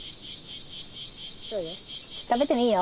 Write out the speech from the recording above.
食べてもいいよ。